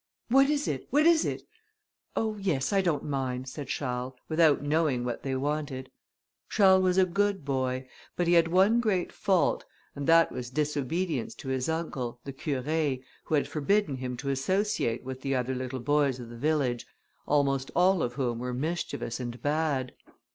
"What is it? what is it? Oh, yes, I don't mind," said Charles, without knowing what they wanted. Charles was a good boy, but he had one great fault, and that was disobedience to his uncle, the Curé, who had forbidden him to associate with the other little boys of the village, almost all of whom were mischievous and bad.